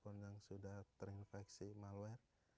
korban yang sudah terinfeksi malware